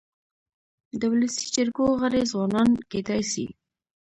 د ولسي جرګو غړي ځوانان کيدای سي.